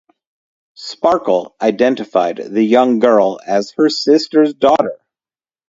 Sparkle identified the young girl as her sister's daughter.